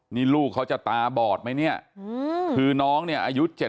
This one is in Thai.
นี่ลูกเขาจะตาบอดไหมเนี่ยคือน้องเนี่ยอายุ๗๐